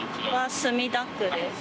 墨田区です。